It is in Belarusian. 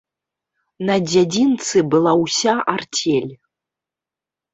На дзядзінцы была ўся арцель.